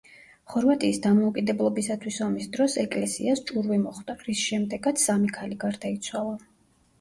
ხორვატიის დამოუკიდებლობისათვის ომის დროს ეკლესიას ჭურვი მოხვდა, რის შემდეგაც სამი ქალი გარდაიცვალა.